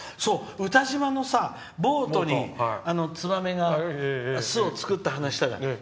詩島のボートにつばめが巣を作った話したじゃん。